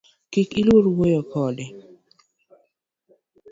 Kik iluor wuoyo kode